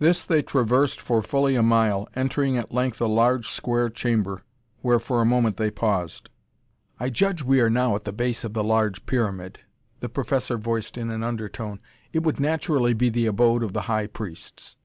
This they traversed for fully a mile, entering at length a large, square chamber where for a moment they paused. "I judge we are now at the base of the large pyramid," the professor voiced in an undertone. "It would naturally be the abode of the high priests."